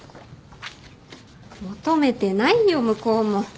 求めてないよ向こうも。